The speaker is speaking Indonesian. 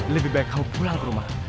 lebih baik kamu pulang ke rumah